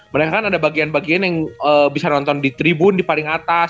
mereka kan ada bagian bagian yang bisa nonton di tribun di paling atas